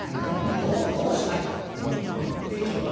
どうしたいかというのが。